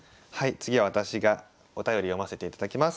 次は私がお便り読ませていただきます。